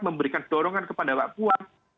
memberikan dorongan kepada pak buat